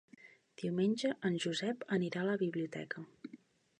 Diumenge en Josep anirà a la biblioteca.